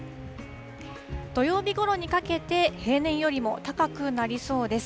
土曜日ごろにかけて、平年よりも高くなりそうです。